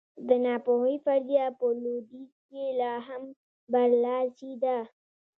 د ناپوهۍ فرضیه په لوېدیځ کې لا هم برلاسې ده.